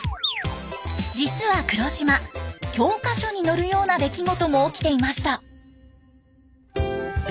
実は黒島教科書に載るような出来事も起きていました。